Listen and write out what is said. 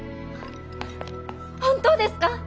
本当ですか？